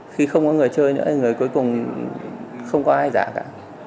khi không có người chơi nữa thì người cuối cùng không có ai giả cả